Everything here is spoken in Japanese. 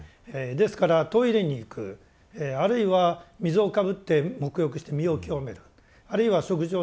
ですからトイレに行くあるいは水をかぶって沐浴して身を清めるあるいは食事をとる。